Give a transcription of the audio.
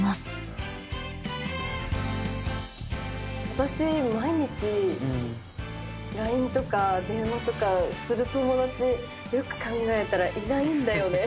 私毎日ＬＩＮＥとか電話とかする友だちよく考えたらいないんだよね。